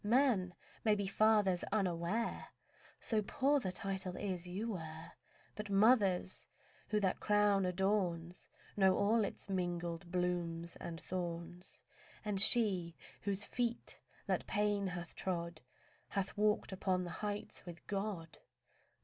Men may be fathers unaware, So poor the title is you wear. But mothers—who that crown adorns Knows all its mingled blooms and thorns, And she whose feet that pain hath trod Hath walked upon the heights with God.